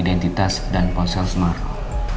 identitas dan ponsel semarang